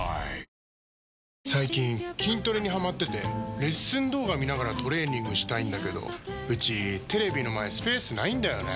レッスン動画見ながらトレーニングしたいんだけどうちテレビの前スペースないんだよねー。